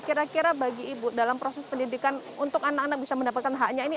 kira kira bagi ibu dalam proses pendidikan untuk anak anak bisa mendapatkan haknya ini